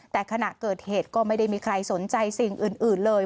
แต่ขณะเกิดเหตุก็ไม่ได้มีใครสนใจสิ่งอื่นเลย